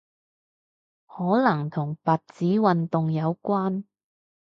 可能同白紙運動有關